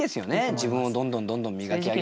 自分をどんどんどんどん磨き上げるね。